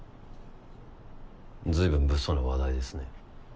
随分物騒な話題ですね。